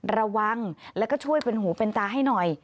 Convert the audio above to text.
ระวังแล้วก็ช่วยเป็นหูเป็นตาให้หน่อย